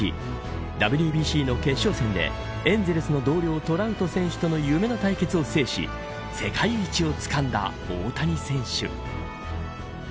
ＷＢＣの決勝戦でエンゼルスの同僚トラウト選手との夢の対決を制し世界一をつかんだ大谷選手。